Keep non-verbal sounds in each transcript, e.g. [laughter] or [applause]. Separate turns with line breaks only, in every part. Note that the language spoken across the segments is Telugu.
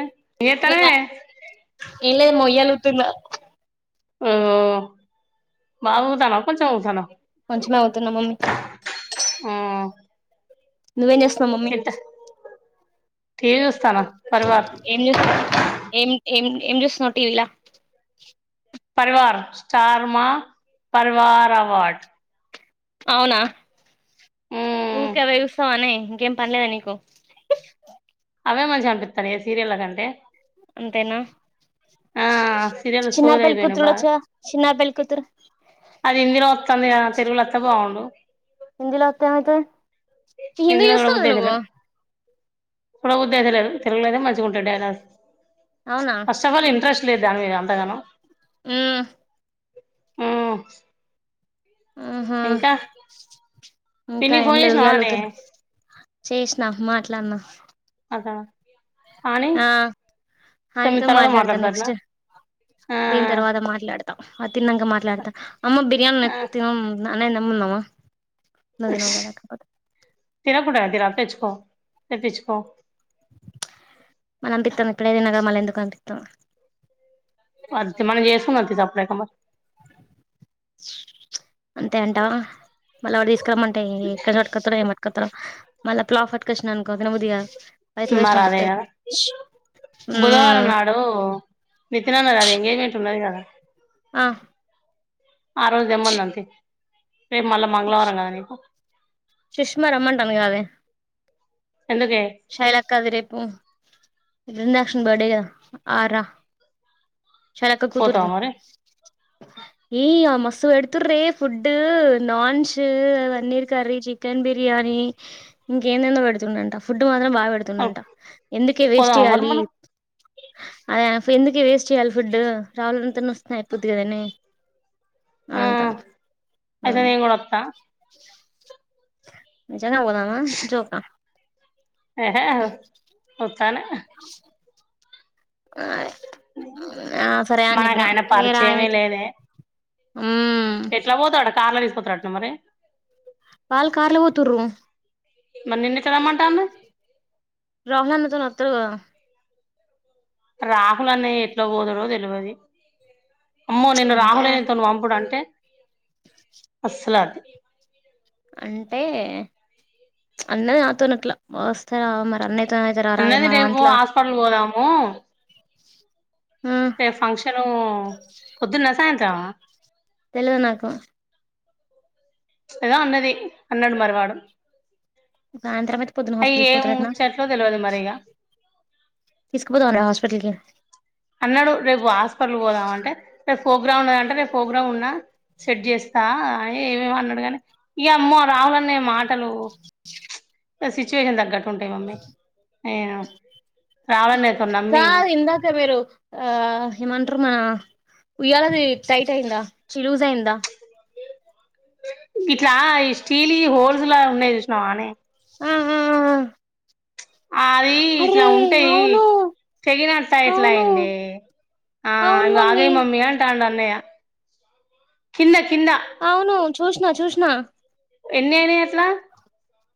ఏం చేత్తన్నవే
ఇలాయ్ మొయ్యాలుతుంద
ఓ బాగా ఊగుతానవ కొంచెం ఊగుతానవ
కొంచమే యదువుతున్నా మమ్మీ
ఆ
నువ్వేం జేస్తున్నావు మమ్మీ
తింట టీవీ చూస్తానా పరివార్
ఏందుక్ ఏమి ఏమి ఏం జుసున్నవ్ టీవీ ల
పరివార్ స్టార్ మా పరివార్ అవార్డ్
అవునా
మ్మ్
ఊకవే యూస్తవ్ అన్ని ఇంకేం పన్లేదా నీకు
అవే మంచిగా అనిపితన్నయే సీరియల కంటే
అంతేనా
ఆ సీరియల్
చిన్నార్
సోది
పెళ్లి
అయిపోయినయి బాగా
కూతుడొచ్చగా చిన్నార్ పెల్ కూతురు
అది ఇందిలో వతంది గా తెలుగుల అతే బాగుండు
హిందిలా అతేమైతది హింది యూస్తవ్ గద నువ్వు
చూడ బుద్ధి యితలేదు తెలుగులోనే మంచిగుంటయ్ డైలాగ్స్
అవునా
ఫస్టఫల్ ఇంట్రెస్ట్ లేదు దాని మీద అంతా గనం
ఊ
ఆ
ఆహా ఇంకా
పిన్నికి
ఎం
ఫోన్
లే
చేసినవానే
ఊయలుగుతున్న చేసినా మాట్లాడినా
అదా అని
ఆ
తొమ్మిది
హానితో
తర్వాత
మాట్లాడతాను
మాట్లాడతాట్నా
నెక్స్ట్
ఆ
దీని తర్వాత మాట్లాడతా అద తిన్నంగా మాట్లాడతా అమ్మ బిర్యానీ
ఆ
న ననేే నమ్మున్నావా నవీన గా ద
రా పచ్చుకో పచ్చుకో
మళ్ళ పంపిస్తాం ఇప్పుడేదనాగా మళ్ళ ఎందుకు పంపిస్తాం
అదితే మన ఎస్తున్నా చప్పుడకామా
అంతే అంట మళ్ళీ ఎడ తీసుకురమంటే ఎక్కడ పట్టుకొతడో ఏ పట్టుకతాడ మళ్ ప్లాఫట్ కషన్ అనుకోతున్నా ఉదగా
మా రా అదే కదా బుధవారం
మ్మ్
నాడు నితినన్న అది ఎంగేజ్మెంట్ ఉన్నది కదా ఆ
ఆ
ఆ రోజు దమ్మంది అంత
సుష్మా రమంటని కాదే
ఎందుకే
శైలా కాదురేపు ఇ నక్న బర్డే ఆరా లక్క
పోతావా
కుతురుది
మరి
ఏయ ఆ మస్ ఎడుతుర్రే food naans paneer curry chicken biryani ఇంకేందేందో పెడుతుండంట ఫుడ్ మా బాగా పెడుతుండంట ఎందుకే వేస్ట్
పోదామా మరి
చేయాలి
మనం
అదే ఎందుకే వేస్ట్ చేయ్యాలి ఫుడ్ రావలంత స్తు అయిపోద్ది కదా అ
ఆ
ఉంటాను
అయితే కూడాత్తా
వో జనా పోదామా జోకా
హ చన
అ ఆ సరే అని
మనకు
చెప్పినా
ఆయన
ఏ
పరిచయమే
రాయమైతే
లేదే ఎట్లా పోతాడు కార్ లో తీసుపోతు అంటానా మరి
పాల కార్ల పోతుర్
మరి నిన్ను ఎట్లా రమ్మంటాంది
రాహలాన్నతోన త
రాహుల్ అనే ఎట్లా పోదుడో తెలివది అమ్మో నేను
అంటే
రాహులేనితోను పంపుడు అంటే అసలాది
అంటే అన్నది నాతోనట్లా వస్తార మరి అన్నయి
అన్నది రేపు హాస్పిటల్ పోదాము ఫంక్షను పొద్దున్న సాయంత్రం
తెలీదు నాకు
రా అనాది అన్నాడు మరి వాడు
సాయంతరం అయితే పోద్దున్న
అయి
హాస్పిటల్
ఏం
పోటాడు అంటానా
ముచ్చట్లో తెలవదు మరి ఇగ
తీసుకొని పోతాడు అనాడా హాస్పిటల్ కి
అన్నాడు రేపు హాస్పిటల్ పోదాం అంటే రేపు పోగ్రామ్ అంటే రేపు పోగ్రామ్ ఉన్నా సెట్ చేస్తా అని ఏమేమి అన్నాడు కానీ ఇక అమ్మ రాహుల్ అనే మాటలు సిచుషన్ ద గట్ ఉంటాయి మమ్మీ ఆయు
కా ఇందాక మీరు ఆ ఏమంటారు మ ఉయ్యాలది టైట్ అయిందా చి లూజ్ అయి్యందా
ఇట్లా ఈ స్టీల్ హోల్స్ లా ఉన్నాయి చుస్నవా నే
ఆ ఆ
అది
అరే
ఇట్లా ఉంటాయి
అవును
చెగినట్ ఎట్లా
అవును
అయింది ఆ ఇ అగవి మమ్మీ అంటాం అన్నయ్య కింద కింద
అవును చూసిన చూస నా
ఎన్ అయినాయి అట్లా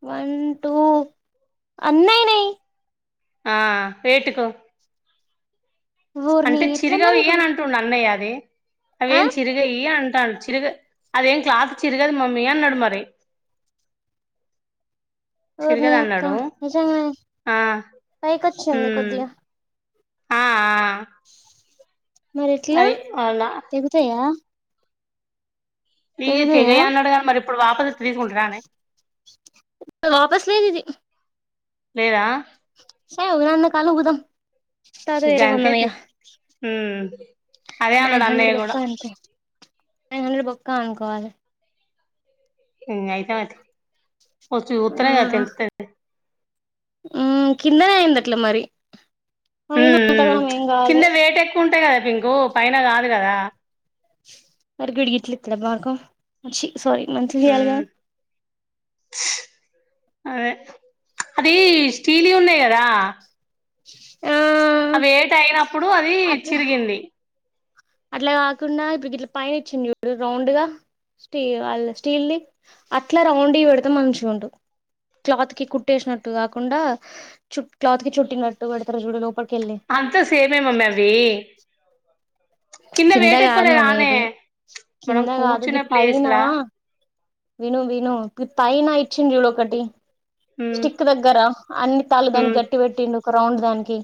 వన్ టూ అయినాయి
ఆ ఏటుకో
ఊర్ని
అంటే
ఎట్లా మరి
చిరిగావి
ఇప్పుడు
ఇ్యని అంటుండు అన్నయ్య ఏ అవే
ఆ
ఏం చిరుగయ అంటాన చ్చ అదేం క్లాస్చ్చరుగది మమ్మ నడు మార
ఊర్నీ అక్క నిజంగా
ఆ
పైకి వచ్చింది
ఉమ్
కొద్దిగా ఆ మరి ఎట్లా
అది అవునా
దగుతాయా
నీక తెగయ అన్నాడు కానీ మరి ఇప్పుడు వాపసు తీసుకుంటున్నాను
వాపస్ లేదు ఇది
లేద
సై నాన్న కాలుగుదా
గంతతి
నైన్ హండ్రెడ్ బప్పా అంత అయన హండ్రడ్ పొక్కా అనుకోవాలి
అయితే మాత్ర వ ఉత్తరేగా
ఆ
త త
కిందనే అయందిట్ల మరి
ఉ
పైన అంతగానం ఏం
కింద
కాలే
వేట ఎక్కువ ఉంటాయి కదా పింకు పైన కాదు కదా
మరిగడిగిట్లి తల మాగా మ సారీ మంచి చేయాలిగా
ఉమ్ అదే అది స్టీలి ఉన్నాయి రా
ఆ
ఆ వేట్ అయినప్పుడు అది
అట్లా
చిరిగింది
అట్లా కాకుండా ఇప్పుడు గ ఇట్లా పైన ఇచ్చింది చూడు రౌండ్ గా స్టీ వాళ్ స్టీల్ ని అట్లా రౌండ్ పెడతే మంచి చూడు క్లాత్ కి కుట్టేసినట్టు కాకుండా చ క్లాత్ కి చుట్టినట్టు పెడతారు చూడలో
అంతా సేమే మమ్మ అవి కింద వేట
కాదు నేను
ఎక్కువలేదునే
అనేది
మనం
కింద కాదు గి
కూర్చున్న
పైన
ప్లేస్లా
విను విను తయి నా ఇచ్చిన రీడు ఒకటి
ఉమ్
స్టిక్ దగ్గర అన్ని తళ దానికి
ఉమ్
గట్టి పెట్టిండు కౌడ్ దనికినికి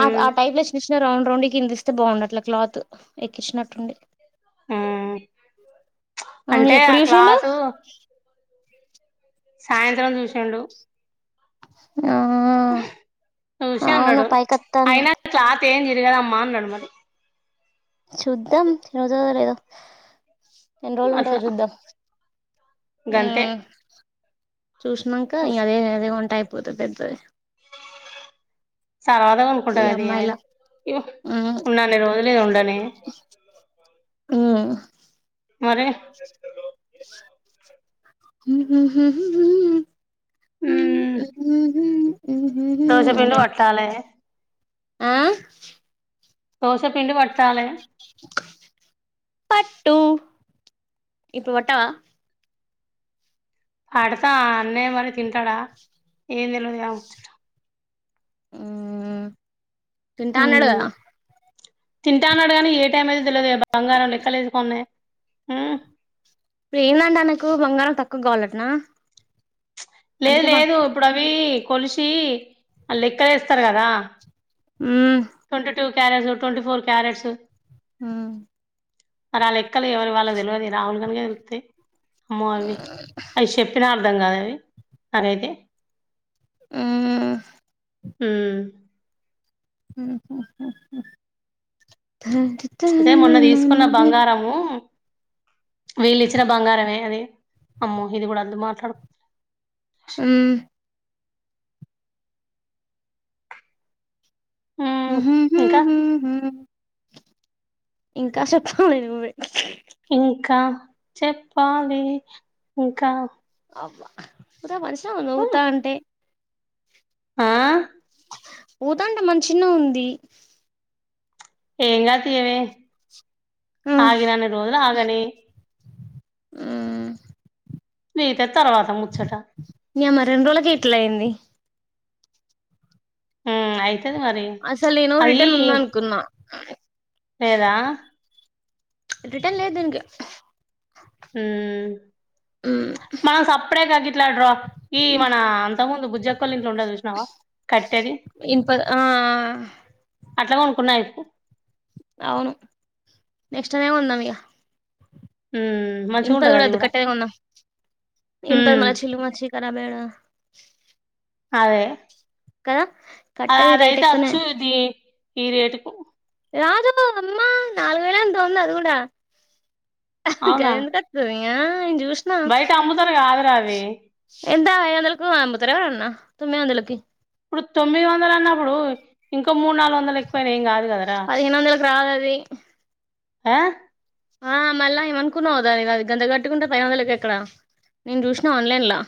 ఆ
ఉమ్
ఆ టైప్లచ్చ రౌండ్ రౌండ్ కిందిస్తే బాగుండట్ల క్లాత్ ఎక్కించినట్టుండి
ఉమ్
అవునుది
అంటే
ఎప్పుడు విషంద
ఆ క్లాసు సాయంత్రం చూసండు
ఆ
చూసి
అవును
అన్నాడు
పైకత్తాంది
అయినా క్లాత్ ఏం జిరగలమ్మా అనుమది
శుద్ధం రోజ లేదో ఎన్ని రోజులు
అట్లా
ఉంటారు చూద్దాం ఆ
గంతే
చూసినాక ఇ
చూసి
అదే అదే ఉంటాయి పెద్దే
తర్వాత
ఈ
అనుకుంటాం అది ఏమ
అమ్మాయిల
ఇ ఉండి రోజులుద ఉండని
ఆ
మరి ఊమ్
ఉ ఇకే ఆ [inaudible]
దోశపిండి పట్టాలే
టూ ఇప్పు వటవా
ఫడతా అ మరి తింటాడా ఏం తెలవది గా
ఆ తింటా అన్నాడుగా
మ్మ్ తింటా అన్నాడు కానీ ఏ టైం అది బంగారం లెక్కలేసుకున్నాయి ఆ
ఇప్పుడు ఏందంటే ఆయనకు బంగారం తక్కువ కావాలటనా
లేదు
అందుకే మా
లేదు ఇప్పుడు అవి కొలిసి అళ్ళు లెక్కలు వేస్తారు కదా
మ్మ్
twenty two carats twenty four carats మరి వాళ్ళు ఎక్కలే ఎవరి వాళ్ళ తెలియదు రాహుల్ నగా ఇతే అమ్మో అవి అవి చెప్పిన అర్థం కద అ అదేతే
ఊమ్
హమ్
హ హ హ
అదే మొన్న తీసుకున్న
హా [unintelligible]
వీళ్లు ఇచ్చిన బంగారమే అది అమ్మో ఇది కూడా అందు మాట్లాడుకో
ఊ హు
హ్మ్
హు
ఇంకా
హూ హు ఇంకా చెప్పాలి నువ్వే
ఇంకా చెప్పాలి ఇంకా
అబ్బా [unintelligible]
హ్మ్.
నవ్వుతా అంటే
ఆ
పోతాంటే మంచి నా ఉంది
ఏంగా తీవే
ఆ
ఆగినన్ని రోజులు ఆగని
ఉ
నీ తత్
ఈమె రెండు రోజులకే ఇట్లా అయ్యింది
ఆ ఆయి
అసలు నేను రిటర్న్ ఉంది అనుకున్నా అ
ఏరా
రిటర్న్ లేదు దీనికి
యూ
మ్
మనం సపరేట్గా గిట్ల ఈ మన అంతకుముందు బుజ్జి అక్కోలా ఇంట్లో ఉండ చూసినావా కట్టేది
ఇనుప ఆ
అట్లా కొనుకున్నాయిపు
అవును నెక్స్ట్ టైమ్ ఉందాం ఇగ
మ్మ్ మంచిగా
ఇన్పది
ఉంటది
కూడా
అది
వద్దు కట్టే ది కొందాం ఇన్పది
మ్మ్
మలచి మలచి కరాబ్ ఎడ
అదే
కదా
ఆది
కట్టెది రేట్
అదయితే
ఎక్కువనే
అచ్చు ఇది ఈ రేటుకు
రాజు అమ్మా [unintelligible] నాలుగు వేలలో ఎంతో ఉంది అది కూడా ఆహా
అవునా
గది ఎందుకు వస్తది ఆ చూసిన
బయట అమ్ముతారు కాదురా అవి
ఎంద అ అఇదొందలకు అమ్ముతారా ఎవరన్నా తొమ్మిదోందాలకి
ఇప్పుడు తొమ్మిది వందలు అన్నప్పుడు ఇంకో మూడు నాలుగు వందలు ఎక్కువైనా ఏం గాదు గదరా
పదిహేను వందలకి రాదది
ఆ
ఆ మళ్ళా ఏమ అనుకున్నావుదాని అది గంత కట్టుకుంటే పది వందలకి ఎక్కడ నేను చూసినా ఆన్లైన్ లో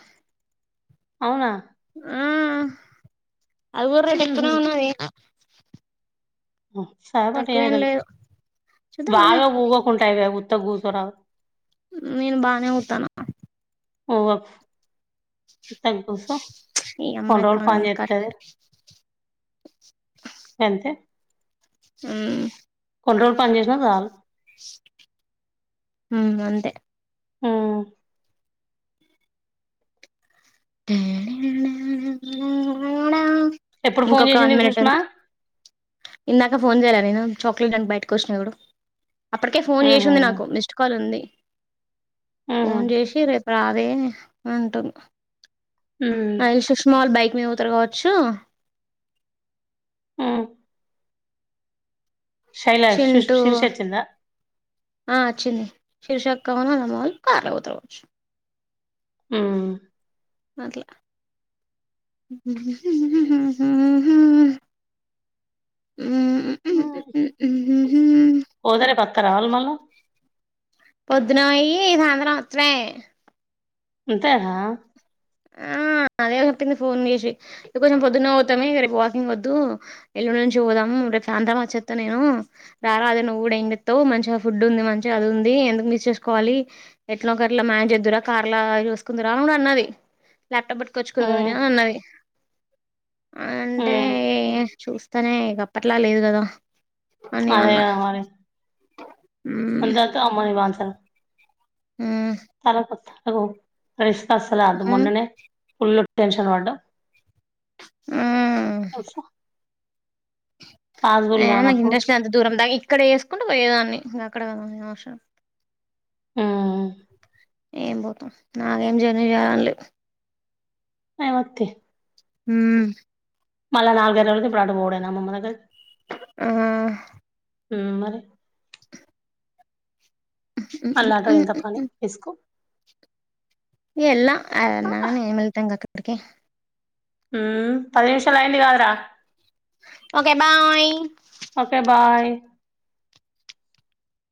అవునా
ఆ అవి గూడా
మ్మ్
రేటేక్కుతూనే
హ్మ్
ఉన్నయి
సహపటి
తక్కువేం
ఏంత
లేదు చూద్దాం అదే
బాగా ఊవకు ఉంటా ఇవ ఉఊత్తగ గఊసరా
నేను బానే ఊతానా
ఓవఫ్ తగ్గుసో
ఈ
కొన్ని
అమ్మాయి
రోజులు
కా
పని
కట్
జేత్తది గంతే
ఊ
కొన్రోజుల్ పని జేసిన జాలు
తే
ఉ
[inaudible]
ఎప్పుడు ఫోన్
ఇంకొక వన్
చేసింది
మినిట్
సుష్మా
ఉంది ఇందాక ఫోన్ చేయాల నే చాక్లెట్ అంట బయటకు వచ్చసినడు అప్పటికే ఫోన్
ఊహూ
జేసింది నాకు మిస్డ్ కాల్ ఉంది
ఊహూ
ఫోన్ జేసి రేపు రావే అంటుంది
హ్మ్
అల్ సుష్మాల్ బైక్ మీతర కావచ్చు
హ్మ్ శైల శిష్
చింటూ
శిరీష వచ్చిందా
ఆ అచింది శీర్షక కా ఉనాల మల్ కార్ల బోతర్గవచ్చు
ఉ
[inaudible]
పోదరే వక్క రావాల మళ
పొద్దున బొయ్యి సాయంత్రం అచ్చుడే
అఅంతేనా
ఆ అదే చెప్పింది ఫోన్ జేసి ఇ కొంచెం పొద్దున్నే పోవుతాంక రేపు వాకింగ్ వద్దు ఎల్లుండి నుంచి పోదాం రేపు అంతా మచ్చస్తా నేను రారా అదే నువ్వు కూడా ఏంెావు మంచిగా ఫుడ్ ఉంది మంచిగా అది ఉంది ఎందుకు మిస్ చేసుకోవాలి ఎట్లా ఒక ఎట్లా మేనేజ్ చేదురా కార్లా చూసుకుందరా అ అన్నది ల్యాప్టాప్ పెట్టుకోొవచ్చుకుదునీ
హ్మ్
ఉన్నవి అంటే
హ్మ్
చూస్తా తనే ఇక అప్పట్లా లేదు కదా అని అన్న
అదేద మరి
మ్మ్
అంత అత అమ్మనివాసర
మ్మ్
చాలా కొత్త లో పరిస్ అస్సల అది
మ్మ్
మొన్ననే ఫుల్ టెన్షన్ పడ్డవ్
మ్మ్
తెసా
ఏ నాకు ఇంట్రెస్ అంత దూరం దా ఇక్కడే వేసుకుంటూ పోయేదాన్ని నా ఇక్కడ అవసరం
హ్మ్
ఏం పోతాం నాకేం జర్నీ చేయాలనిలే
ఐ వత్తే
ఉమ్
మళ్ళ నాలుగు గంటల నుండి అప్పుడు అటు పోవుడే నా అమ్మమ్మ దగ్గరక్
ఆహ్
ఉమ్ మరి
మ్మ్
అల్లాట
మ్మ్
ఎంత పని ఇస్కు
ఎల్నా [unintelligible] ఇప్పుడికే
హ్మ్ పది నిమిషాలు అయింది కాదరా
ఓకే బాయ్
ఓకే బాయ్